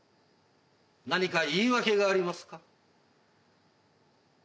何か言い訳がありますか？